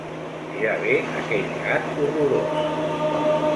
Ja ve aquell gat horrorós!